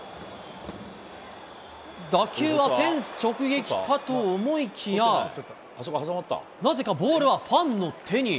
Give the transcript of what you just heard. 打球はフェンス直撃かと思いきや、なぜかボールはファンの手に。